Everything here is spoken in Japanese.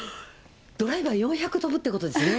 ドライバー４００とぶっていうことですね。